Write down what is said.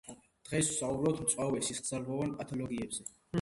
დღეს ვსაუბრობთ მწვავე სისხლძარღვოვან პათოლოგიებზე.